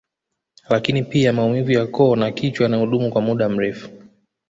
Lakini pia maumivu ya koo na kichwa yanayodumu kwa muda mrefu